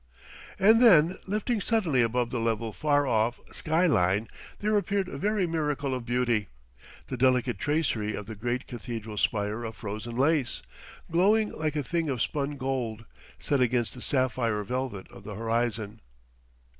And then lifting suddenly above the level far off sky line, there appeared a very miracle of beauty; the delicate tracery of the great Cathedral's spire of frozen lace, glowing like a thing of spun gold, set against the sapphire velvet of the horizon.